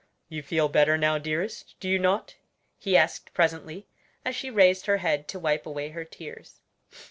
"You feel better now, dearest, do you not?" he asked presently, as she raised her head to wipe away her tears.